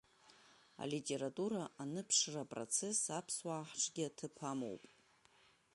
Алитература аныԥшра апроцесс аԥсуаа ҳҿгьы аҭыԥ амоуп.